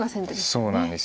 そうなんです。